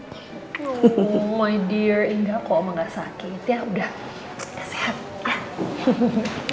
oh my dear enggak kalau emak gak sakit ya udah gak sehat